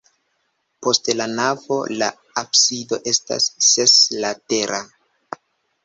Post la navo la absido estas seslatera.